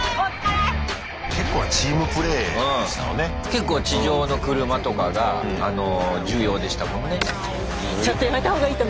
結構地上の車とかがあの重要でしたもんね。